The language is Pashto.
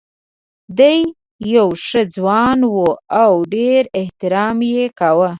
دی یو ښه ځوان و او ډېر احترام یې کاوه.